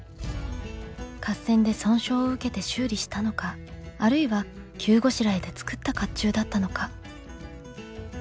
合戦で損傷を受けて修理したのかあるいは急ごしらえで作った甲冑だったのか。